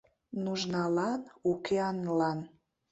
Нужналан Укеанлан